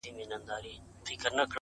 ما مينه ورکړله؛ و ډېرو ته مي ژوند وښودئ؛